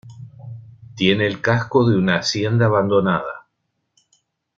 Tiene el casco de una hacienda abandonada.